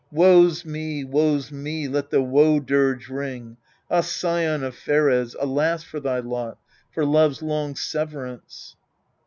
Woe's me ! woe's me ! let the woe dirge ring! Ah, scion of Pheres, alas for thy lot, for love's long sev erance